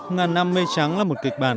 ngàn năm mây trắng là một kịch bản